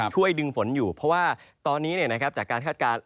ช่วยดึงฝนอยู่เพราะว่าตอนนี้เนี่ยนะครับจากการคาดการณ์